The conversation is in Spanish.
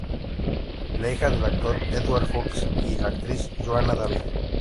Es hija del actor Edward Fox y la actriz Joanna David.